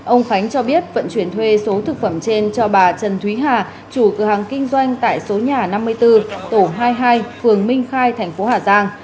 ông khánh cho biết vận chuyển thuê số thực phẩm trên cho bà trần thúy hà chủ cửa hàng kinh doanh tại số nhà năm mươi bốn tổ hai mươi hai phường minh khai thành phố hà giang